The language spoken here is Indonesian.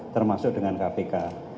termasuk dengan kpk